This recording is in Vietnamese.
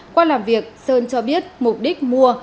qua làm việc sơn cho biết mục đích mua